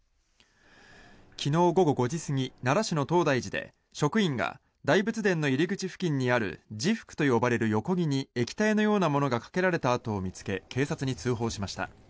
昨日午後５時過ぎ奈良市の東大寺で職員が大仏殿の入り口付近にある地覆と呼ばれる横木に液体のようなものがかけられた跡を見つけ警察に通報しました。